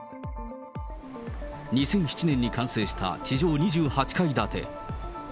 ２００７年に完成した、地上２８階建て。